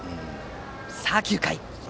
さあ、９回。